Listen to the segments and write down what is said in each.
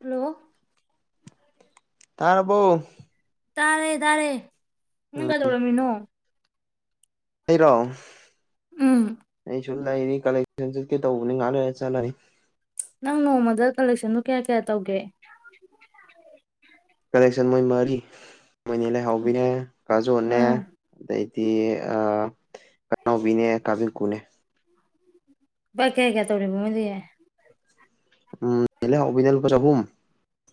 Hello! [inaudible] ꯇꯔꯕꯣ? ꯇꯥꯔꯦ - ꯇꯥꯔꯦ꯫ ꯅꯪ ꯀꯩꯗꯧꯔꯝ ꯃꯤꯅꯣ? ꯑꯩꯔꯣ? ꯎꯝ ꯑꯩ ꯁ ꯂꯩꯔꯤ ꯀꯂꯦꯛꯁꯟ ꯆꯠꯀꯦ ꯇꯧꯕꯅꯤ ꯉꯥꯛ ꯂꯩꯔ ꯆꯠꯂꯅꯤ꯫ ꯅꯪ ꯅꯣꯡꯃꯗ ꯀꯂꯦꯛꯁꯟꯗꯣ ꯀꯌꯥ- ꯀꯌꯥ ꯇꯧꯒꯦ? ꯀꯂꯦꯛꯁꯟ ꯃꯣꯏ ꯃꯥꯔꯤ꯫ ꯃꯣꯏꯅꯦ ꯂꯩꯍꯥꯎꯕꯤꯅꯦ ꯀꯥꯖꯣꯟꯅꯦ ꯑꯥ ꯑꯗꯩ ꯑꯃꯥ ꯀꯅꯥꯎꯕꯤꯅꯦ ꯀꯥꯗꯤꯡꯀꯨꯅꯦ꯫ ꯄꯥ ꯀꯌꯥ - ꯀꯌꯥ ꯇꯧꯔꯤꯕ ꯃꯣꯢꯗꯤ? ꯎꯝ ꯏꯂ ꯍꯕꯤꯅꯥ ꯂꯨꯄꯥ ꯆꯍꯨꯝ꯫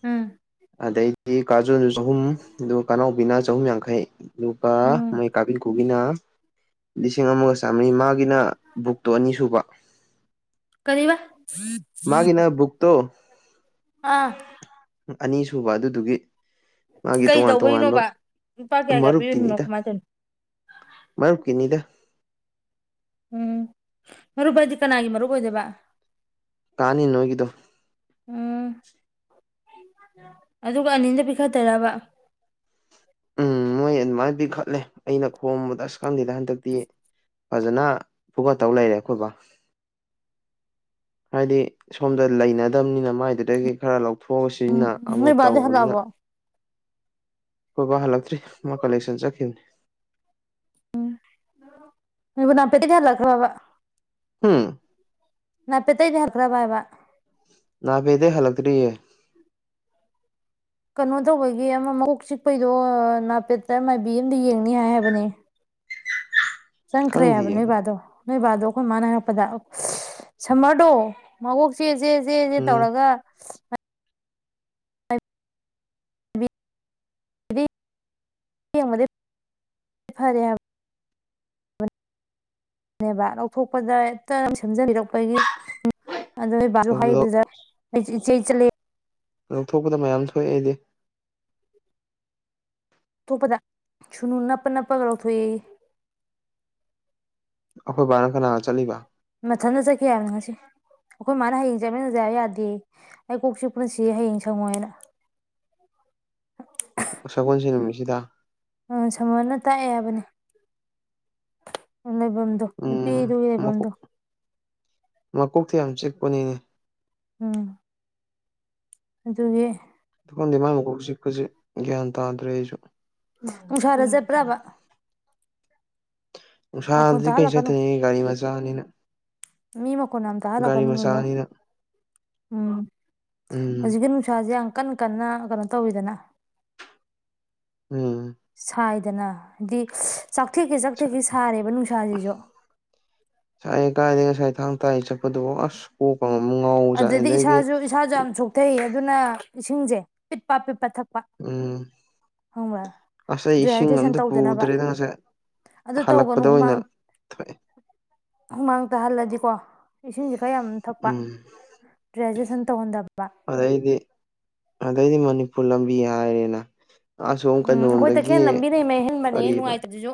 ꯎꯝ꯫ ꯑꯗꯩꯗꯤ ꯀꯥꯖꯨꯁꯨ ꯆꯍꯨꯝ ꯑꯗꯨꯒ ꯀꯅꯥꯎꯕꯤꯅ ꯆꯍꯨꯝ ꯌꯥꯡꯈꯩ꯫ ꯗꯤ ꯒꯥ ꯎꯝ ꯃꯣꯏ ꯀꯥ ꯗꯤꯡꯀꯨ ꯅ ꯂꯤꯁꯤꯡ ꯑꯃꯒ ꯆꯥꯃꯔꯤ ꯃꯥꯒꯤꯅ ꯕꯨꯛꯇꯣ ꯑꯅꯤ ꯁꯨꯕ꯫ ꯀꯔꯤ ꯆꯥ? ꯃꯥꯒꯤꯅ ꯕꯨꯛ ꯇꯣ ꯑꯥ꯫ ꯑꯅꯤꯁꯨꯨꯕ ꯑꯗꯨꯗꯨꯒꯤ ꯃꯥꯒꯤ ꯀꯩ ꯇꯣꯉꯥꯟ ꯇꯣꯉꯥꯟꯕ ꯇꯧꯕꯩꯅꯣꯕ ꯂꯨꯄꯥ ꯀꯌꯥ ꯀꯌꯥ ꯄꯤꯔꯤꯅꯣ ꯃꯔꯨꯞꯀꯤꯅꯤꯗ ꯀꯃꯥꯏꯅ ꯇꯧꯔꯤꯅꯣ ꯃꯔꯨꯞꯀꯤꯅꯤꯗ ꯎꯝ ꯃꯔꯨꯕꯏꯗꯤ ꯀꯅꯥꯒꯤ ꯃꯔꯨ ꯑꯣꯏꯗꯕ ꯀꯥꯅꯤ ꯅꯣꯏꯒꯤꯗꯣ ꯎꯝ ꯑꯗꯨꯒ ꯑꯅꯤꯗ ꯄꯤꯈꯠꯇꯕ ꯎꯝ ꯃꯣꯏ ꯑꯗꯨꯃꯥꯏꯅ ꯄꯤ ꯈꯠꯂꯦ ꯑꯩꯅ ꯈꯣꯝꯕꯗ ꯑꯁ ꯈꯪꯗꯦꯗ ꯍꯟꯗꯛꯇꯤ ꯐꯖꯅ ꯐꯒꯠꯇꯧ ꯂꯩꯔꯦ ꯑꯩꯈꯣꯏꯕ ꯍꯥꯏꯗꯤ ꯁꯣꯝꯗ ꯂꯩꯅꯗꯕꯅꯤꯅ ꯃꯥꯏꯗꯨꯗꯒꯤ ꯈꯔ ꯂꯧ ꯊꯣꯛꯑ ꯁꯤꯖꯤꯟꯅ ꯑꯃ ꯅꯣꯏ ꯕꯥꯗꯤ ꯇꯧꯕꯅꯤꯅ ꯍꯜꯂꯛꯑꯕꯣ ꯍꯣꯏꯕ ꯍꯜꯂꯛꯇ꯭ꯔꯤ ꯃꯥ ꯀꯂꯦꯛꯁꯟ ꯆꯠꯈꯤꯕꯅꯤ ꯏꯕ ꯅ ꯄꯇ ꯀꯔ ꯂ ꯀꯋꯥꯕ ꯍꯥꯝ ꯅꯅꯥꯄꯤꯦꯇꯩꯩꯗꯤ ꯍꯛ꯭ꯔꯥꯕꯏꯕ ꯅꯥꯕꯦꯗ ꯍꯂꯛꯔꯤꯌꯦ ꯀꯩꯅꯣ ꯇꯧꯕꯒꯤ ꯑꯃ ꯃꯣꯛ ꯆꯤꯛꯄꯩꯗꯣ ꯅꯥꯄꯦꯠꯇ ꯃꯥꯏꯕꯤ ꯑꯗ ꯌꯦꯡꯅꯤ ꯍꯥꯏ ꯍꯥꯏꯕꯅꯦ ꯆꯪꯈ꯭ꯔꯦ ꯍꯥꯏꯕ ꯈꯪꯗꯤꯌꯦ ꯅꯕꯗꯣ ꯅꯕꯗꯣ ꯑꯩꯈꯣꯏ ꯃꯥꯅ ꯍꯥꯏꯔꯛꯄꯗ ꯁꯝꯃꯔꯗꯣ ꯃꯋꯣꯛꯁꯦ ꯆꯦ ꯆꯦꯁꯦ ꯎꯝ ꯇꯧꯔꯒ ꯐꯔꯦꯕꯅꯦꯕ ꯂꯧꯊꯣꯛꯄꯗ ꯍꯦꯛꯇ ꯁꯦꯝꯖꯟꯕꯤꯔꯛꯄꯒꯤ ꯑꯗꯨꯗ ꯕꯥ ꯑꯗꯨꯗꯣ ꯍꯕꯗ ꯆꯩ ꯆꯂ ꯂꯧꯊꯣꯛꯄꯗ ꯃꯌꯥꯝ ꯊꯣꯛꯑꯦ ꯑꯩꯗꯤ ꯇꯨ ꯄꯇꯥ ꯁꯨꯅꯨ ꯅꯄ ꯅ ꯄꯒꯧꯊ ꯑꯩꯈꯣꯏ ꯕꯥꯔ ꯀꯅꯥꯒ ꯆꯠꯂꯤꯕ ꯃꯊꯟꯇ ꯆꯠꯈꯤ ꯍꯥꯏꯕꯅꯤ ꯉꯁꯤ ꯑꯩꯈꯣꯏ ꯃꯥꯅ ꯍꯌꯦꯡ ꯆꯠꯃꯤꯟꯅꯖꯕ ꯌꯥꯗꯦ ꯑꯩ ꯀꯣꯛꯁꯤ ꯄꯨꯟꯁꯤ ꯍꯌꯦꯡ ꯁꯪꯉꯣꯏꯅ ꯁꯒꯣꯜꯁꯤ ꯅꯨꯃꯤꯠꯁꯤꯗ ꯑ ꯁꯃꯅ ꯇꯥꯛꯑꯦ ꯍꯥꯏꯕꯅꯦ ꯂꯩꯐꯝꯗꯣ ꯎꯝ ꯅꯨꯄꯤꯗꯨꯒꯤ ꯃꯀꯣꯛ ꯂꯩꯐꯝꯗꯣ ꯃꯀꯣꯛꯇꯤ ꯌꯥꯝ ꯆꯤꯛꯄꯅꯤꯅꯦ ꯎꯝ ꯑꯗꯨꯒꯤ ꯁꯐꯝꯗꯤ ꯃꯥꯥꯏ ꯃꯨꯀꯣꯛꯁꯤꯛꯄꯁꯤꯦ ꯒ꯭ꯌꯥꯟ ꯇꯥꯗ꯭ꯔꯦ ꯑꯩꯁꯨ ꯎꯁꯔꯁꯦꯕ꯭ꯔꯥꯕ ꯅꯨꯡꯁꯥꯗꯤ ꯀꯔꯤ ꯇꯥꯍꯜꯂꯛꯀꯅꯨ ꯆꯠꯇ꯭ꯔꯤ ꯒꯥꯔꯤ ꯃꯆꯥꯅꯤꯅ ꯃꯤ ꯃꯈꯣꯟ ꯑ ꯇꯥꯍꯜꯂꯛꯀꯅꯨ ꯒꯥꯔꯤ ꯅꯅꯨꯡꯗꯣ ꯃꯆꯥꯅꯤꯅ ꯎꯝ ꯎꯝ ꯍꯧꯖꯤꯛꯀꯤ ꯅꯨꯡꯁꯥꯁꯦ ꯌꯥꯝ ꯀꯟ ꯀꯟꯅ ꯀꯩꯅꯣ ꯇꯧꯋꯤꯗꯅ ꯎꯝ ꯁꯥꯏꯗ ꯑꯗꯨꯅ ꯍꯥꯏꯗꯤ ꯆꯥꯛꯊꯦꯛꯀꯦ ꯆꯥꯛꯊꯦꯛꯀꯦ ꯁꯥꯔꯦꯕ ꯅꯨꯡꯁꯥꯁꯤꯁꯨ ꯊꯥꯡꯪ ꯇ ꯍ ꯆꯄꯗꯕꯣ ꯑꯁ ꯀꯣꯛꯀ ꯑꯃꯨꯛ ꯉꯥꯎꯕꯖꯥꯠꯅꯤ ꯑꯗꯨꯗꯤ ꯑꯗꯒꯤ ꯏꯁꯥꯁꯨ ꯏꯁꯥꯁꯨ ꯌꯥꯝ ꯁꯣꯛꯊꯩ ꯑꯗꯨꯅ ꯑꯦꯁꯤꯡ ꯁꯦ ꯄꯤꯠ ꯄꯥꯠ ꯄꯤꯠ ꯄꯥꯠ ꯊꯀꯄꯥ ꯎꯝ ꯉꯁꯥꯏ ꯑꯩ ꯏꯁꯤꯡ ꯗꯤꯍꯥꯏꯗ꯭ꯔꯦꯁꯟ ꯑꯝꯇ ꯇꯧꯗꯅꯕ ꯄꯨꯗ꯭ꯔꯦꯗ ꯉꯁꯥꯏ ꯑꯗꯨ ꯇꯧꯒꯅꯨ ꯍꯜꯂꯛꯄꯗ ꯑꯣꯏꯅ ꯍꯨꯃꯥꯡ ꯊꯣꯛꯑꯦ ꯍꯨꯃꯥꯡ꯫ ꯆꯥꯍꯜꯂꯗꯤꯀꯣ ꯏꯁꯤꯡꯁꯤꯦ ꯈꯔ ꯌꯥꯝ ꯊꯛꯄ ꯎꯝ ꯔꯦꯖꯁꯟ ꯇꯉꯗꯕ ꯑꯗꯩꯗꯤ ꯑꯗꯩꯗꯤ ꯃꯅꯤꯄꯨꯔ ꯂꯝꯕꯤ ꯍꯥꯏꯔꯦꯅ ꯑꯁꯣꯝ ꯎꯝ ꯑꯈꯣꯏ ꯇꯥꯈꯜ ꯀꯩꯅꯣꯝꯗꯒꯤ ꯂꯝꯕꯤꯅꯥ ꯃꯍꯦꯅꯕꯥ ꯅꯤꯍꯦ ꯀꯔꯤꯕ ꯅꯨꯡꯒꯥꯏꯇꯥꯕꯥ ꯁꯤꯁꯨ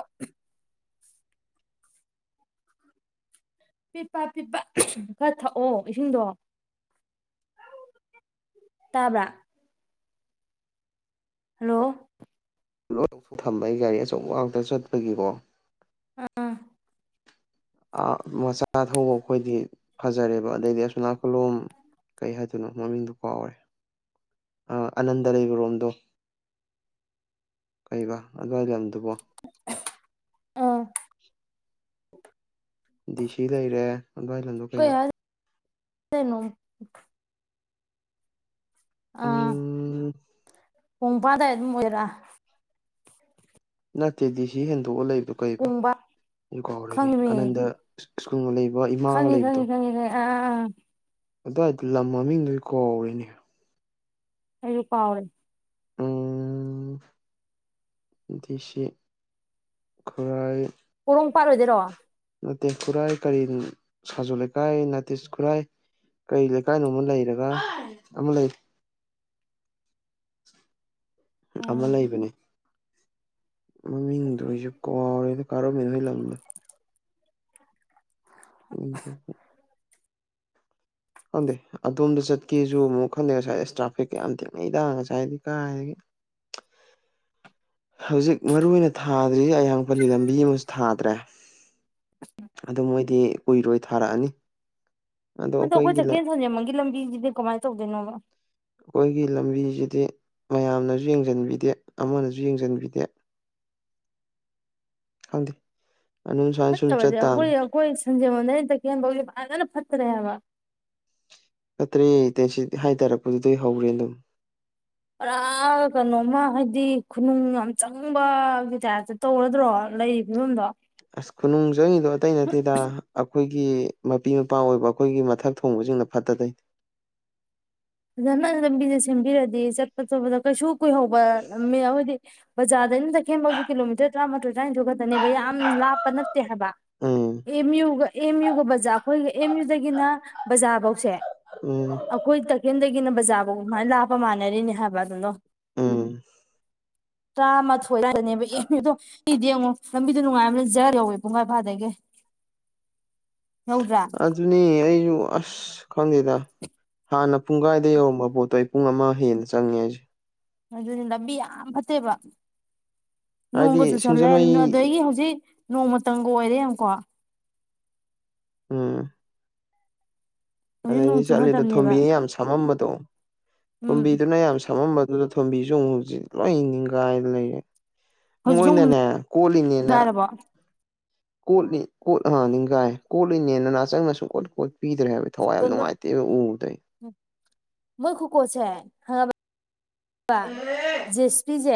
ꯄꯤꯠꯄ ꯄꯤꯠꯄ ꯈꯔ ꯊꯛꯑꯣ ꯏꯁꯤꯡꯗꯣ ꯇꯥꯕ꯭ꯔꯥ ꯍꯜꯂꯣ ꯂꯣꯏ ꯊꯝꯕ ꯑꯩ ꯒꯥꯔꯤ ꯑꯆꯧꯕ ꯉꯥꯛꯇ ꯆꯠꯄꯒꯤꯀꯣ ꯎꯝ ꯑꯥ ꯃꯆꯥ ꯊꯧꯕ ꯑꯩꯈꯣꯏꯗꯤ ꯐꯖꯔꯦꯕ ꯑꯗꯩꯗꯤ ꯑꯁꯣꯝ ꯅꯥꯀꯟꯂꯣꯝ ꯀꯩ ꯍꯥꯏꯗꯣꯏꯅꯣ ꯃꯃꯤꯡꯗꯣ ꯀꯥꯎꯔꯦ ꯑꯥ ꯑꯅꯟꯗ ꯂꯩꯕ ꯔꯣꯝꯗꯣ ꯀꯩꯕꯥ ꯑꯗꯨꯋꯥꯏ ꯂꯝ ꯑꯥ [inaudible] ꯗꯤꯁꯤ ꯂꯩꯔꯦ ꯑꯋꯥꯏ ꯂꯟꯗꯣ ꯀꯩꯅꯣ ꯀꯅꯣ ꯑꯥ ꯎꯝ [unintelligible] ꯅꯠꯇꯦ ꯗꯤ ꯁꯤ ꯍꯦꯟꯗꯣꯛꯑꯒ ꯂꯩ ꯑꯗꯨ ꯀꯩꯕ ꯄꯨꯡꯕ ꯑꯗꯨ ꯀꯥꯎꯔꯣꯏꯅꯦ ꯑꯅꯟꯗ ꯁꯨꯀꯨꯝꯉ ꯂꯩ ꯈꯪꯅꯤꯤ ꯈꯉꯅꯤ ꯈꯪꯉꯤ ꯈ ꯑ ꯑꯥ ꯑꯗꯨꯏꯗ ꯂꯝ ꯃꯃꯤꯡꯗꯨꯒꯤ ꯀꯧꯔꯤꯅꯤ ꯑꯩꯁꯨ ꯀꯥꯎꯔꯦ ꯎꯝ ꯗꯤ ꯁꯤ ꯈꯨꯔꯥꯏ ꯄꯣꯔꯣꯝꯄꯥꯠ ꯑꯣꯏꯗꯣꯏꯔꯣ ꯅꯠꯇꯦ ꯈꯨꯔꯥꯏ ꯀꯔꯤ ꯁꯥꯖꯨ ꯂꯩꯀꯥꯏ ꯅꯠꯇꯦ ꯈꯨꯔꯥꯏ ꯀꯔꯤ ꯂꯩꯀꯥꯏ ꯅꯣ ꯑꯃꯥ ꯂꯩꯗꯅ ꯑꯃꯥ ꯂꯩ ꯑꯃ ꯎꯝ ꯂꯩꯕꯅꯤ ꯃꯃꯤꯡꯗꯣ ꯑꯩꯁꯨ ꯀꯥꯎꯔꯦꯗ ꯀꯥ ꯔꯣꯃꯦꯟ ꯍꯣꯏ ꯂꯝꯗꯣ ꯍ ꯆꯄ ꯇ꯭ꯔꯥꯐꯤꯛꯀ ꯌꯥꯝ ꯊꯦꯡꯅꯩꯗ ꯉꯁꯥꯏꯗꯤ ꯀꯥꯏꯗꯒꯤ ꯍꯧꯖꯤꯛ ꯃꯔꯨ ꯑꯣꯏꯅ ꯊꯥꯗ꯭ꯔꯤ ꯑꯌꯥꯡꯄꯜꯂꯤ ꯂꯝꯕꯤ ꯑꯃꯁꯨ ꯊꯥꯗ꯭ꯔꯦ ꯑꯗ ꯃꯣꯏ ꯗꯤ ꯀꯨꯏꯔꯣꯏ ꯊꯥꯔꯛꯑꯅꯤ ꯑꯗꯣ ꯍꯟꯗꯛ ꯑꯈꯣꯏ ꯑꯩꯈꯣꯏꯒꯤ ꯇꯈꯦꯜ ꯁꯟꯖꯦꯟꯕꯝ ꯒꯤ ꯂꯝꯕꯤꯁꯤꯗꯤ ꯀꯃꯥꯏꯅ ꯇꯧꯗꯣꯏꯅꯣꯕꯥ ꯑꯩꯈꯣꯏꯒꯤ ꯂꯝꯕꯤꯁꯤꯗꯤ ꯃꯌꯥꯝꯅꯁꯨ ꯌꯦꯡꯁꯤꯟꯕꯤꯗꯦ ꯑꯃꯅꯁꯨ ꯌꯦꯡꯁꯤꯟꯕꯤꯗꯦ ꯍꯗꯤ ꯑ ꯁꯥꯟ ꯁ ꯆ ꯐꯠꯇꯕꯗꯤ ꯑꯩꯈꯣꯏ ꯇꯥꯡꯥꯡ ꯑꯩꯈꯣꯏ ꯁꯟꯖꯦꯟꯕꯝꯗꯩꯅ ꯇꯛꯌꯦꯟꯐꯥꯎꯖꯦ ꯐꯖꯟꯅ ꯐꯠꯇꯔꯦ ꯍꯥꯏꯕ ꯐꯠꯇ꯭ꯔꯦ ꯇꯥꯏꯁꯤꯗꯤ ꯍꯥꯏꯗꯔꯞ ꯑꯗꯨꯗꯩ ꯍꯧꯔꯦ ꯑꯗꯨꯝ ꯄꯨꯔꯥ ꯀꯩꯅꯣꯃ ꯍꯥꯏꯗꯤ ꯈꯨꯅꯨꯡ ꯌꯥꯝ ꯆꯪꯕ ꯀꯤꯇꯥꯏꯞ ꯇꯧꯔꯗ꯭ꯔꯣ ꯂꯩ ꯐꯤꯕꯝꯗꯣ ꯈꯨꯨꯅꯨꯡ ꯆꯪꯉꯤꯗꯣ ꯑꯇꯩ ꯅꯠꯇꯦꯗ ꯑ ꯑꯈꯣꯏꯒꯤ ꯃꯄꯤ ꯃꯄꯥ ꯑꯣꯏꯕ ꯑꯈꯣꯏꯒꯤ ꯃꯊꯛ ꯊꯣꯡꯕꯁꯤꯡꯅ ꯐꯠꯇ ꯗꯩ ꯐꯖꯟꯅ ꯂꯝꯕꯤꯁꯦ ꯁꯦꯝꯕꯤꯔꯗꯤ ꯆꯠꯄ ꯆꯣꯠꯄꯗ ꯀꯩꯁꯨ ꯀꯨꯏꯍꯧꯕ ꯂꯝ ꯑꯣꯏꯗꯤ ꯕꯖꯥꯔꯗꯒꯤ ꯇꯈꯦꯜ ꯐꯥꯎꯖꯤ ꯀꯤꯂꯣꯃꯤꯇꯔ ꯇꯔꯥꯃꯥꯊꯣꯏ ꯇꯔꯥꯅꯤꯊꯣꯏ ꯈꯛꯇꯅꯦꯕ ꯌꯥꯝ ꯂꯥꯞꯄ ꯇꯦ ꯍꯥꯏꯕ ꯎꯝ ꯑꯦꯝ ꯌꯨꯒ ꯑꯦꯝ ꯌꯨꯒ ꯕꯖꯥ ꯑꯩꯈꯣꯏꯒꯤ ꯑꯦꯝ ꯌꯨꯗꯒꯤꯅ ꯕꯖꯥꯔꯕꯧꯁꯦ ꯎꯝ ꯈꯦꯟꯗꯒꯤꯅ ꯕꯖꯥꯐꯥꯎ ꯃꯥꯏꯅ ꯂꯥꯞꯄ ꯃꯥꯟꯅꯔꯤꯅꯦ ꯍꯥꯏꯕ ꯑꯗꯨꯗꯣ ꯎꯝ ꯇꯔꯥꯃꯥꯊꯣꯏ ꯇꯥꯏꯊꯣꯏꯅꯦꯕ ꯑꯦꯝ ꯌꯦꯡ ꯗꯣ ꯃꯤꯒꯤꯗꯤ ꯌꯦꯡꯉꯣ ꯂꯝꯕꯤꯗꯣ ꯅꯨꯡꯉꯥꯏꯕꯅꯤꯅ ꯖꯥ ꯌꯧꯋꯤ ꯄꯨꯡꯈꯥꯏ ꯐꯥꯗꯒꯤ ꯌꯧꯗ꯭ꯔꯥ ꯑꯗꯨꯅꯤ ꯑꯩ ꯁꯨ ꯑꯁ ꯈꯪꯗꯦꯗ ꯍꯥꯟꯅ ꯄꯨꯡꯈꯥꯏꯗ ꯌꯧꯔꯝꯕ ꯄꯣꯠꯇꯣ ꯑꯩ ꯄꯨꯡ ꯑꯃ ꯍꯦꯟꯅ ꯆꯪꯉꯦ ꯍꯥꯏꯁꯦ ꯑꯗꯨꯅꯤ ꯂꯝꯕꯤ ꯌꯥꯝ ꯐꯠꯇꯦꯕ ꯍꯥꯏꯁꯦ ꯍꯥꯏꯗꯤ ꯅꯣꯡꯒ ꯆꯨꯁꯜꯂꯦ ꯁꯤꯡꯖꯃꯩ ꯑꯗꯒꯤ ꯍꯧꯖꯤꯛ ꯅꯣꯡꯃ ꯇꯝꯒ ꯑꯣꯏꯔꯦ ꯌꯦꯡꯉꯨꯀꯣ ꯑꯝ ꯍꯧꯖꯤꯛ ꯑꯗꯩꯗꯤ ꯅꯣꯡ ꯆꯨ ꯆꯠꯂꯤꯗꯣ ꯃꯇꯝꯅꯦꯕ ꯊꯣꯝꯕꯤ ꯌꯥꯝ ꯁꯥꯃꯝꯕꯗ ꯇꯣ ꯎꯝ ꯇꯣꯝꯕꯤꯗꯨꯅ ꯌꯥꯝ ꯁꯃꯝꯕ ꯑꯗꯨꯅ ꯊꯣꯝꯕꯤꯁꯨ ꯑꯃꯨꯛ ꯍꯧꯖꯤꯛ ꯂꯣꯏ ꯅꯤꯡꯒꯥꯏꯗꯅ ꯂꯩꯔꯦ ꯍꯧꯖꯤꯛꯁꯨ ꯑꯃꯨꯛ ꯃꯣꯏꯅꯅꯦ ꯅꯤꯡꯁꯤꯡ ꯀꯣꯜꯂꯤꯅꯦꯅ ꯍꯥꯏꯔꯕꯣ ꯀꯣꯠꯂꯤ ꯀꯣꯠ ꯑ ꯅꯤꯡꯒꯥꯏ ꯀꯣꯠꯂꯤꯅꯦꯅꯥ ꯅꯆꯪꯅ ꯁꯨꯨꯡ ꯀꯣꯠ ꯀꯣꯠ ꯄꯤꯗ꯭ꯔꯦ ꯍꯥꯏꯕ ꯊꯋꯥꯏ ꯌꯥꯝ ꯅꯨꯡꯉꯥꯏꯇꯦꯕ ꯎꯕꯗ ꯑꯩ ꯈꯪꯉꯥꯕ ꯖꯦꯁꯄꯤꯁꯦ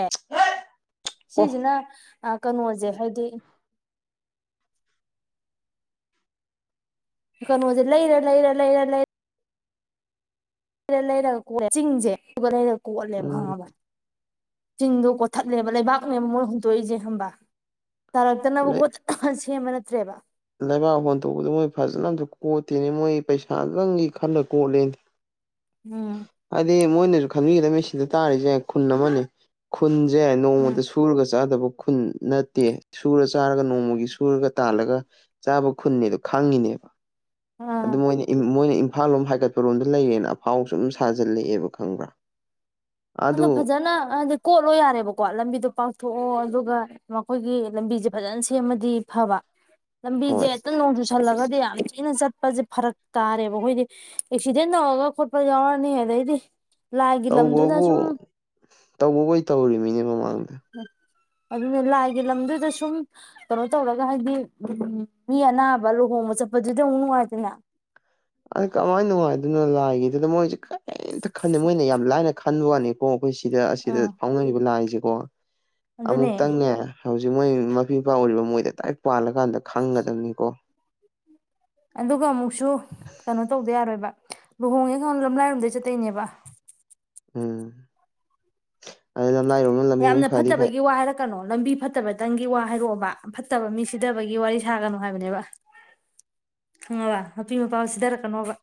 ꯑꯣ ꯁꯤꯁꯤꯅ ꯀꯩꯅꯣꯁꯦ ꯍꯥꯏꯗꯤ ꯀꯩꯅꯣꯖ ꯏꯔꯂ ꯏꯔꯂ ꯏꯔꯂ ꯔ ꯂꯩꯔꯒ ꯀꯣ ꯆꯤꯡꯁꯦ ꯑꯗꯨꯒ ꯂꯩꯔ ꯀꯣꯂꯦ ꯎꯝ ꯍꯕ ꯆꯤꯡꯗꯣ ꯀꯣꯊꯠꯂꯦꯕ ꯂꯩꯕꯥꯛꯅꯦꯕ ꯃꯣꯏꯅ ꯍꯨꯟꯇꯣꯛꯏꯁꯦ ꯍꯪꯕꯥ ꯇꯔꯛꯇꯅꯕꯨꯣ ꯂꯩ ꯁꯦꯝꯕ ꯅꯠꯇ꯭ꯔꯦꯕ ꯂꯩꯕꯥꯛ ꯍꯣꯟꯗꯣꯛꯄꯗ ꯃꯣꯏ ꯐꯖꯅ ꯑꯝꯇ ꯀꯣꯠꯇꯦꯅꯦ ꯃꯣꯏ ꯄꯩꯁꯥꯗꯪꯒꯤ ꯈꯜꯂ ꯀꯣꯠꯂꯦ ꯎꯝ ꯃꯣꯏꯅꯁꯨ ꯈꯟꯕꯤꯒꯗ ꯁꯤꯗ ꯇꯥꯔꯤꯁꯦ ꯈꯨꯟ ꯑꯃꯅꯤ ꯈꯨꯟ ꯈꯨꯟꯁꯦ ꯅꯣꯡꯃꯗ ꯎꯝ ꯁꯨꯔꯒ ꯆꯥꯗꯕ ꯈꯨꯟ ꯅꯠꯇꯦ ꯁꯨꯔ ꯆꯥꯔꯒ ꯅꯣꯡꯃꯒꯤ ꯁꯨꯔꯒ ꯇꯥꯜꯂꯒ ꯆꯥꯕ ꯈꯨꯟꯅꯤꯗꯣ ꯈꯪꯉꯤꯅꯦꯕ ꯑꯥ ꯑꯗꯨ ꯃꯣꯏꯅ ꯃꯣꯏꯅ ꯏꯝꯐꯥꯜ ꯂꯣꯝ ꯍꯥꯏꯒꯠꯄꯔꯣꯝꯗ ꯂꯩꯔꯦꯅ ꯑꯐꯥꯎꯁꯨ ꯑꯗꯨꯝ ꯁꯥꯖꯤꯜꯂꯛꯑꯦꯕ ꯈꯪꯕ꯭ꯔꯥ ꯑꯗꯨ ꯑꯗꯣ ꯐꯖꯅ ꯍꯥꯏꯗꯤ ꯀꯣꯠꯂꯣ ꯌꯥꯔꯦꯕꯀꯣ ꯂꯝꯕꯤꯗꯣ ꯄꯥꯛꯊꯣꯛꯑꯣ ꯑꯗꯨꯒ ꯑꯗꯨꯒ ꯃꯈꯣꯏꯒꯤ ꯂꯝꯕꯤꯁꯦ ꯐꯖꯅ ꯁꯦꯝꯃꯗꯤ ꯐꯕ ꯂꯝꯕꯤꯁꯦ ꯍꯣꯏ ꯍꯦꯛꯇ ꯅꯣꯡꯨ ꯆꯨꯁꯜꯂꯒ ꯇꯥꯁꯜꯂꯒꯗꯤ ꯌꯥꯝ ꯊꯤꯅ ꯆꯠꯄꯁꯦ ꯐꯔꯛ ꯇꯥꯔꯦꯕ ꯑꯩꯈꯣꯏꯗꯤ ꯑꯦꯛꯁꯤꯗꯦꯟ ꯇꯧꯔꯒ ꯈꯣꯠꯄ ꯌꯥꯎꯔꯅꯤ ꯑꯗꯩꯗꯤ ꯂꯥꯏꯒꯤ ꯂꯝꯗꯨꯗ ꯇꯧꯕꯕꯨ ꯁꯨꯝ ꯇꯧꯕꯕꯨ ꯇꯧꯔꯤꯃꯤꯅꯦ ꯃꯃꯥꯡꯗ ꯑꯗꯨꯅ ꯂꯥꯏꯒꯤ ꯂꯝꯗꯨꯗ ꯁꯨꯝ ꯀꯩꯅꯣ ꯇꯧꯔꯒ ꯍꯥꯏꯗꯤ ꯃꯤ ꯑꯅꯥꯕ ꯂꯨꯍꯣꯡꯕ ꯆꯠꯄꯗꯨꯗꯤ ꯑꯃꯨꯛ ꯅꯨꯡꯉꯥꯏꯇꯦꯗꯅ ꯑꯗ ꯀꯃꯥꯏꯅ ꯅꯨꯡꯉꯥꯏꯗꯅꯣ ꯂꯥꯏꯒꯤꯗꯨꯗꯅ ꯃꯣꯏꯁꯦ ꯀꯩꯝꯇ ꯈꯟꯗꯦ ꯃꯣꯏꯅ ꯌꯥꯝ ꯂꯥꯏꯅ ꯈꯦ ꯐꯜ ꯋꯥꯅꯤꯀꯣ ꯑꯩꯈꯣꯏ ꯁꯤꯗ ꯑꯁꯤꯗ ꯑꯥ ꯐꯥꯎꯅꯔꯤꯕ ꯂꯥꯏꯁꯦ ꯀꯣ ꯑꯗꯨꯅꯦ ꯑꯃꯨꯛꯇꯪꯅꯦ ꯍꯧꯖꯤꯛ ꯃꯣꯏ ꯃꯄꯤ ꯃꯄꯥ ꯎꯔꯤꯕ ꯃꯣꯏꯗ ꯗꯥꯏꯔꯦꯛ ꯄꯥꯜꯂꯀꯥꯟꯗ ꯈꯪꯒꯗꯕꯅꯤꯀꯣ ꯑꯗꯨꯒ ꯑꯃꯨꯛ ꯁꯨ ꯀꯩꯅꯣ ꯇꯧꯗ ꯌꯥꯔꯣꯏꯕ ꯂꯨꯍꯣꯡꯉꯦ ꯈꯜꯂꯣ ꯂꯝꯂꯥꯏꯔꯣꯝꯗꯩ ꯆꯠꯇꯣꯏꯅꯦꯕ ꯎꯝ ꯑ ꯂꯝꯂꯥꯏꯔꯣꯝꯅ ꯂꯝꯕꯤ ꯌꯥꯝꯅ ꯑꯃꯨꯛ ꯐꯔꯗꯤ ꯐꯩ ꯐꯠꯇꯕꯒꯤ ꯋꯥ ꯍꯥꯏꯔꯛꯀꯅꯣ ꯂꯝꯕꯤ ꯐꯠꯇꯕꯇꯪꯒꯤ ꯋꯥ ꯍꯥꯏꯔꯛꯑꯣꯕ ꯐꯠꯇꯕ ꯃꯤ ꯁꯤꯊꯕꯒꯤ ꯋꯥꯔꯤ ꯁꯥꯒꯅꯨ ꯍꯥꯏꯕꯅꯦꯕ ꯈꯪꯉꯕ ꯃꯄꯤ ꯃꯄꯥ ꯁꯤꯊꯔꯛꯀꯅꯣꯕ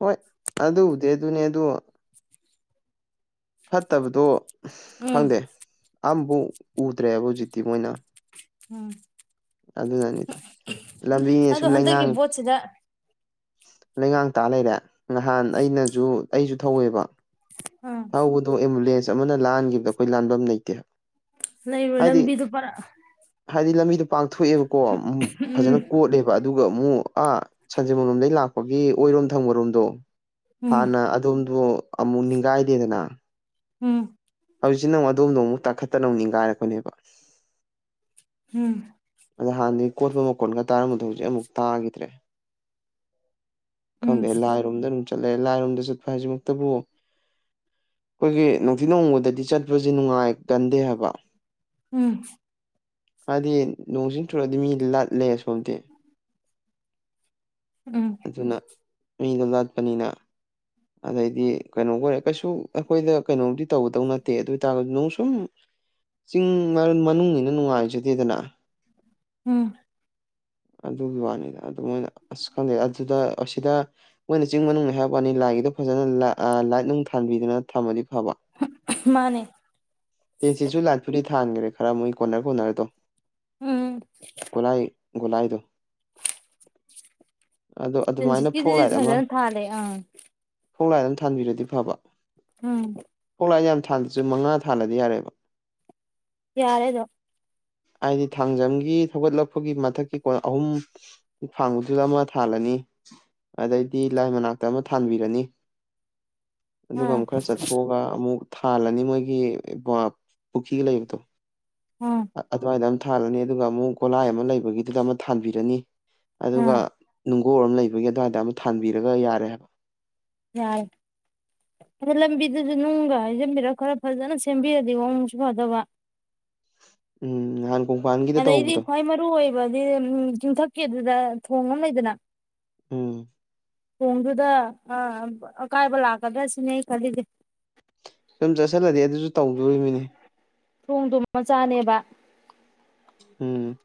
ꯍꯣꯏ ꯑꯗꯨꯕꯨꯗꯤ ꯑꯗꯨꯅꯦ ꯑꯗꯨ ꯐꯠꯇꯕꯗꯣ ꯎꯝ ꯈꯪꯗꯦ ꯑꯝ ꯎ ꯎꯗ꯭ꯔꯦꯕ ꯍꯧꯖꯤꯛꯇꯤ ꯃꯣꯏꯅ ꯎꯝ ꯑꯗꯨꯅꯅꯤꯗ ꯂꯝꯕꯤꯅꯤ ꯑꯗꯣ ꯁꯨꯝ ꯍꯟꯗꯛꯀꯤ ꯂꯩꯉꯥꯡ ꯕꯣꯠꯁꯤꯗ ꯂꯩꯉꯥꯡ ꯇꯥ ꯂꯩꯔꯦ ꯅꯍꯥꯟ ꯑꯩꯅꯁꯨ ꯑꯩꯁꯨ ꯊꯧꯋꯦꯕ ꯎꯝ ꯊꯧꯕꯗꯣ ꯑꯦꯝꯕꯨꯂꯦꯟꯁ ꯆꯞ ꯑꯃꯅ ꯂꯍꯥꯟꯈꯤꯕꯗ ꯑꯩꯈꯣꯏ ꯂꯥꯟꯐꯝ ꯂꯩꯇꯦ ꯅ ꯃ ꯍꯥꯏꯗꯤ ꯂꯝꯝꯕꯤꯗꯨ ꯄꯔ [unintelligible] ꯍꯥꯏꯗꯤ ꯂꯝꯕꯤꯗꯨ ꯄꯥꯡꯊꯣꯛꯑꯦꯕꯀꯣ ꯎꯝ ꯐꯖꯅ ꯀꯣꯠꯂꯦꯕ ꯑꯗꯨꯒ ꯑꯃꯨꯛ ꯑꯥ ꯁꯟꯖꯦꯟꯐꯝ ꯂꯣꯝꯗꯒꯤꯩ ꯂꯥꯛꯄꯒꯤ ꯑꯣꯏꯔꯣꯝ ꯊꯥꯡꯕꯔꯣꯝꯗꯣ ꯎꯝ ꯍꯥꯟꯅ ꯑꯗꯣꯝꯗꯣ ꯑꯃꯨꯛ ꯅꯤꯡꯈꯥꯏꯗꯦꯗꯅ ꯎꯝ ꯍꯧꯖꯤꯛꯁꯤꯅꯃꯨꯛ ꯑꯗꯣꯝꯗ ꯑꯃꯨꯛ ꯇꯥꯈꯠꯇꯅ ꯅꯤꯡꯈꯥꯏꯔꯛꯄꯅꯦꯕ ꯎꯝ ꯑꯗ ꯍꯥꯟꯅꯩ ꯀꯣꯠꯄ ꯃꯣꯟꯈꯣꯜꯒ ꯇꯥꯔꯝꯕꯗ ꯍꯧꯖꯤꯛ ꯑꯃꯨꯛ ꯇꯥꯈꯤꯗ꯭ꯔꯦ ꯈꯪꯗꯦ ꯂꯥꯏꯔꯣꯝꯗ ꯆꯠꯂꯦ ꯂꯥꯏꯔꯣꯝꯗ ꯆꯠꯄ ꯍꯥꯏꯁꯤꯃꯛꯇꯕꯨ ꯑꯩꯈꯣꯏꯒꯤ ꯅꯨꯡꯊꯤ ꯅꯣꯡꯃꯪꯅꯗꯗꯤ ꯆꯠꯄꯁꯦ ꯅꯨꯡꯉꯥꯏ ꯀꯟꯗꯦ ꯍꯥꯏꯕ ꯎꯝ ꯎꯝ ꯍꯥꯏꯗꯤ ꯅꯣꯡꯁꯤꯡ ꯆꯨꯔꯛꯑꯗꯤ ꯃꯤ ꯂ ꯂꯩ ꯁꯣꯝꯇ [unintelligible] ꯎꯝ ꯑꯗꯨꯅ ꯃꯤꯗꯣ ꯂꯠꯄꯅꯤꯅ ꯑꯗꯩꯗꯤ ꯀꯩꯅꯣ ꯑꯣꯏꯔꯦ ꯀꯩꯁꯨ ꯑꯩꯈꯣꯏꯗ ꯀꯩꯅꯣꯝꯗꯤ ꯇꯧꯒꯗꯧ ꯅꯠꯇꯦ ꯑꯗꯨ ꯑꯣꯏꯇꯥꯔꯒꯁꯨ ꯅꯅꯨꯡ ꯁꯨꯝ ꯆꯤꯡ ꯃꯔ ꯃꯅꯨꯡꯅꯤꯅ ꯅꯨꯡꯉꯥꯏꯖꯗꯦꯗꯅ ꯎꯝ ꯑꯗꯨꯒꯤ ꯋꯥꯅꯤꯗ ꯑꯗꯨ ꯃꯣꯏꯅ ꯑꯁ ꯈꯪꯗꯩ ꯑꯗꯨꯗ ꯑꯁꯤꯗ ꯃꯣꯏꯅ ꯆꯤꯡ ꯃꯅꯨꯡ ꯍꯥꯏꯕ ꯋꯥꯅꯤ ꯂꯥꯏꯒꯤꯗꯣ ꯐꯖꯅ ꯂꯥꯏꯠ ꯅꯨꯡ ꯊꯥꯟꯕꯤꯗꯨꯅ ꯊꯝꯃꯗꯤ ꯐꯕ ꯃꯥꯅꯦ ꯇꯦ ꯁꯤꯁꯨ ꯂꯥꯏꯠꯄꯨꯗꯤ ꯊꯥꯟꯈ꯭ꯔꯦ ꯈꯔ ꯃꯣꯏ ꯀꯣꯟꯅꯔ ꯀꯣꯟꯅꯔꯗꯣ ꯎꯝ ꯒꯣꯂꯥꯏꯗ ꯇꯤꯟꯁꯤꯠꯀꯤꯗꯨꯗꯤ ꯐꯖꯅ ꯊꯥꯜꯂꯦ ꯑ ꯐꯣꯛ ꯂꯥꯏꯠ ꯑꯃ ꯊꯥꯟꯕꯤꯔꯗꯤ ꯐꯕ ꯎꯝ ꯄꯥ ꯌꯥꯝ ꯊꯗꯁꯨ ꯃꯉꯥ ꯊ [unintelligible] ꯊꯜꯂꯗꯤ ꯌꯥꯔꯦꯕ ꯌꯥꯔꯦ ꯑꯗꯨꯝ ꯍꯥꯏꯗꯤ ꯊꯥꯡꯖꯝꯒꯤ ꯊꯧꯒꯠꯂꯛꯄꯒꯤ ꯃꯊꯛꯀꯤ ꯀꯣꯟ ꯑꯍꯨꯝ ꯐꯥꯡꯕꯗꯨꯗ ꯑꯃ ꯊꯥꯜꯂꯅꯤ ꯑꯗꯩꯗꯤ ꯂꯥꯏ ꯃꯅꯥꯛꯇ ꯑꯃ ꯊꯥꯟꯕꯤꯔꯅꯤ ꯑꯗꯨꯒ ꯑꯥ ꯑꯃꯨꯛ ꯈꯔ ꯆꯠꯊꯣꯛꯑꯒ ꯑꯃꯨꯛ ꯊꯥꯜꯂꯅꯤ ꯃꯣꯏꯒꯤ ꯄꯨꯈ꯭ꯔꯤꯒ ꯂꯩꯕꯗꯣ ꯎꯝ ꯑꯗꯨꯋꯥꯏꯗ ꯑꯃ ꯊꯥꯜꯂꯅꯤ ꯑꯗꯨꯒ ꯑꯃꯨꯛ ꯒꯣꯠꯂꯥꯏ ꯑꯃ ꯂꯩꯕꯒꯤꯗꯨꯗ ꯑꯃ ꯊꯥꯟꯕꯤꯔꯅꯤ ꯑꯗꯨꯒ ꯑꯥ ꯅꯨꯡ ꯒꯣꯔ ꯑꯃ ꯂꯩꯕꯒꯤ ꯑꯗꯨꯋꯥꯏꯗ ꯑꯃ ꯊꯥꯟꯕꯤꯔꯒ ꯌꯥꯔꯦ ꯍꯥꯏꯕ ꯌꯥꯔꯦ ꯑꯗꯣ ꯂꯝꯕꯤꯗꯨꯁꯨ ꯅꯨꯡꯒ ꯍꯥꯏꯖꯤꯟꯕꯤꯔꯒ ꯈꯔ ꯐꯖꯅ ꯁꯦꯝꯕꯤꯔꯗꯤ ꯋꯥꯡꯁꯨ ꯐꯗꯕ ꯎꯝ ꯀꯣꯡꯄꯥꯟꯒꯤꯗ ꯑꯗꯩꯗꯤ ꯇꯧꯕꯗꯣ ꯈ꯭ꯋꯥꯏ ꯃꯔꯨ ꯑꯣꯏꯕꯗꯤ ꯆꯤꯡꯊꯛ ꯦ ꯑꯗꯨꯗ ꯊꯣꯡ ꯑꯃ ꯂꯩꯗꯅ ꯎꯝ ꯊꯣꯡꯗꯨꯗ ꯑ ꯑꯀꯥꯏꯕ ꯂꯥꯛꯀꯗ꯭ꯔꯥ ꯁꯤꯅꯦ ꯈꯜꯂꯤꯁꯦ ꯁꯣꯝ ꯆ ꯆꯂꯗꯗꯤ ꯑꯗꯨ ꯊꯣꯡꯗꯨ ꯃꯆꯥꯅꯦꯕ ꯎꯝ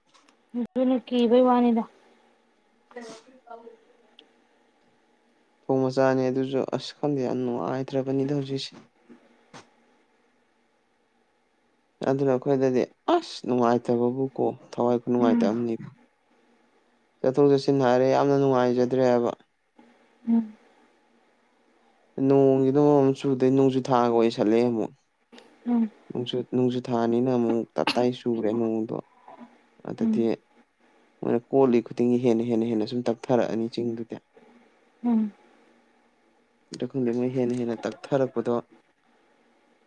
ꯑꯗꯨꯅ ꯀ ꯩꯕꯥꯅꯤꯗ ꯐꯦꯁ ꯊꯧ ꯃꯆꯥꯅꯦ ꯑꯗꯨꯁꯨ ꯑꯁ ꯈꯪꯗꯦ ꯑꯨ ꯍꯥꯏꯗ꯭ꯔꯕꯅꯤꯗ ꯍꯧꯖꯤꯛꯁꯦ ꯑꯗꯨꯅ ꯑꯩꯈꯣꯏꯗꯗꯤ ꯑꯁ ꯅꯨꯡꯉꯥꯏꯇꯕꯕꯨ ꯀꯣ ꯊꯋꯥꯏ ꯎꯝ ꯅꯨꯡꯉꯥꯏꯇꯕꯅꯦꯕ ꯆꯠꯊꯣꯛ ꯆꯠꯁꯤꯟ ꯍꯥꯏꯔꯦ ꯌꯥꯝꯅ ꯅꯨꯡꯉꯥꯏꯖꯗ꯭ꯔꯦ ꯍꯥꯏꯕ ꯎꯝ ꯅꯣꯡꯒꯤ ꯅꯃꯃꯝ ꯆꯨꯗꯩ ꯅꯣꯡꯖꯨ ꯊꯥꯒ ꯑꯣꯏꯁꯜꯂꯛꯦ ꯑꯃꯨꯛ ꯎꯝ ꯅꯨꯡꯁꯨꯅꯨꯡꯁꯨ ꯊꯥꯅꯤꯅ ꯑꯃꯨꯛ ꯇꯇꯥꯏ ꯁꯨꯔꯦ ꯅꯣꯡꯗꯣ ꯑꯗ ꯇ ꯎꯝ ꯃꯣꯏꯅ ꯀꯣꯜꯂꯤ ꯈꯨꯗꯤꯡꯒꯤ ꯍꯦꯟꯅ ꯍꯦꯟꯅ ꯍꯦꯟꯅ ꯁꯨꯝ ꯇꯞꯊꯔꯛꯑꯅꯤ ꯆꯤꯡꯗꯨꯗꯤ ꯎꯝ ꯑ ꯈꯪꯗꯦ ꯃꯣꯏ ꯍꯦꯟꯅ ꯍꯦꯟꯅ ꯇꯛꯊꯔꯛꯄꯗꯣ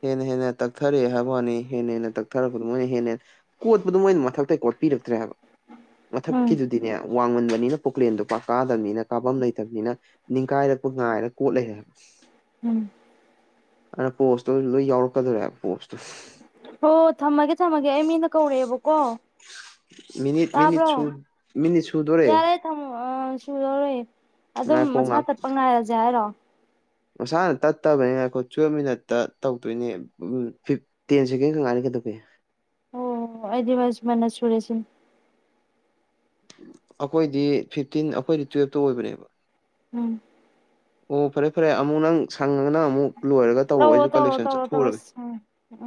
ꯍꯦꯟꯅ ꯍꯦꯟꯅ ꯇꯛꯊꯔꯛꯑꯦ ꯍꯥꯏꯕ ꯋꯥꯅꯤ ꯍꯦꯟꯅ ꯍꯦꯟꯅ ꯇꯛꯊꯔꯛꯄꯗ ꯃꯣꯏꯅ ꯍꯦꯟꯅ ꯍꯦꯟꯅ ꯀꯣꯠꯄꯗꯣ ꯃꯣꯏꯅ ꯃꯊꯛꯇ ꯀꯣꯠꯄꯤꯔꯛꯇ꯭ꯔꯦ ꯍꯥꯏꯕ ꯎꯝ ꯃꯊꯀꯤꯁꯨꯗꯅꯦ ꯋꯥꯡꯃꯟꯕꯅꯤꯅ ꯄꯨꯀ꯭ꯂꯦꯟꯗꯣ ꯄꯥꯛ ꯀꯥꯗꯕꯅꯤꯅ ꯀꯥꯐꯝ ꯂꯩꯇꯕꯅꯤꯅ ꯅꯤꯡꯈꯥꯏꯔꯛꯄ ꯉꯥꯏꯔꯛ ꯀꯣꯠꯂꯦ ꯍꯥꯏꯕ ꯎꯝ ꯑꯗꯨꯅ ꯄꯣꯁꯇꯨ ꯂꯣꯏ ꯌꯥꯎꯔꯛꯀꯗꯧꯣꯔꯦꯕ ꯄꯣꯁꯇꯣ ꯍꯣ ꯊꯝꯃꯒꯦ ꯊꯝꯃꯒꯦ ꯑꯩ ꯃꯤꯅ ꯀꯧꯔꯛꯑꯦꯕꯀꯣ ꯃꯤꯅꯤꯠ ꯃꯤꯅꯤꯠ ꯇꯥꯕ꯭ꯔꯣ ꯁꯨ ꯃꯤꯅꯤꯠ ꯁꯨꯗꯣꯔꯦ ꯌꯥꯔꯦ ꯊꯝꯃꯣ ꯑ ꯁꯨꯖꯔꯦ ꯑꯗꯨꯝ ꯉꯥꯏꯈꯣ ꯃꯁꯥ ꯉꯥꯏ ꯇꯠꯄ ꯉꯥꯏꯔꯁꯦ ꯍꯥꯏꯔꯣ ꯃꯁꯥꯅ ꯇꯠꯇꯕꯅꯤꯅ ꯑꯩꯈꯣꯏ ꯇꯨꯋꯜꯞ ꯃꯤꯅꯠꯇ ꯇꯧꯗꯣꯏꯅꯦ ꯇꯦꯟ ꯁꯦꯀꯦꯟ ꯀꯪꯥꯏꯅꯤ ꯀꯩꯗꯧꯒꯦ ꯑꯣ ꯑꯩꯗꯤ ꯃꯥ ꯁꯨꯃꯩꯅꯁꯨꯨꯔꯦꯁꯤꯅꯤ ꯑꯩꯈꯣꯏꯗꯤ ꯐꯤꯞꯇꯤꯟ ꯑꯩꯈꯣꯏꯗꯤ ꯇꯨꯋꯜꯞꯇ ꯑꯣꯏꯕꯅꯦꯕ ꯎꯝ ꯑꯣ ꯐꯔꯦ ꯐꯔꯦ ꯑꯃꯨꯛ ꯅꯪ ꯁꯪꯉꯒꯅ ꯑꯃꯨꯛ ꯂꯣꯏꯔꯒ ꯇꯧꯔꯛꯑꯣ ꯇꯧꯔꯣ ꯑꯩꯁꯨ ꯇꯧꯔꯣ ꯀꯂꯦꯛꯁꯟ ꯇꯧꯔꯣ ꯆꯠꯊꯀ ꯇꯧꯔꯣ ꯌꯨꯔꯥꯒꯦ ꯎꯝ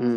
ꯎꯝ